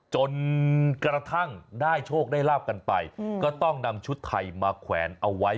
จนกระทั่งได้โชคได้ลาบกันไปก็ต้องนำชุดไทยมาแขวนเอาไว้